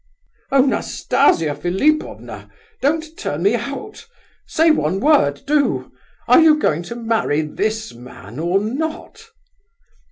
"Oh, Nastasia Philipovna! don't turn me out! Say one word, do! Are you going to marry this man, or not?"